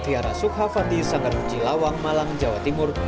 wihara sukhavati sanggaruji lawang malang jawa timur